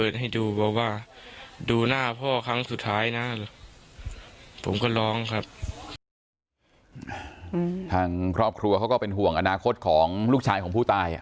ทางครอบครัวเขาก็เป็นห่วงอนาคตของลูกชายของผู้ตาย